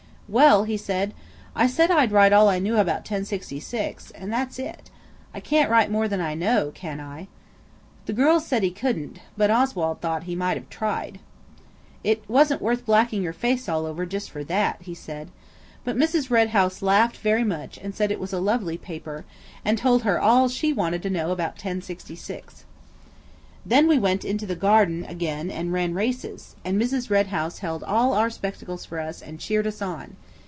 "Well," he said, "I said I'd write all I knew about 1066, and that's it. I can't write more than I know, can I?" The girls said he couldn't, but Oswald thought he might have tried. "It wasn't worth blacking your face all over just for that," he said. But Mrs. Red House laughed very much and said it was a lovely paper, and told her all she wanted to know about 1066. Then we went into the garden again and ran races, and Mrs. Red House held all our spectacles for us and cheered us on.